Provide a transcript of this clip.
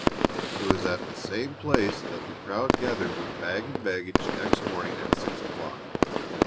It was at the same place that the crowd gathered with bag and baggage next morning at six o'clock.